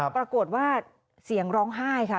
ปรากฏว่าเสียงร้องไห้ค่ะ